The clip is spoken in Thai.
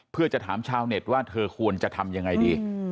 เพื่อจะถามชาวเน็ตว่าเธอควรจะทำยังไงดี